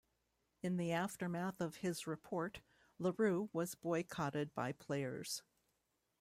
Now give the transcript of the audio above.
In the aftermath of his report, Larue was boycotted by players.